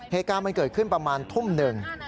เหตุการณ์มันเกิดขึ้นประมาณทุ่มหนึ่ง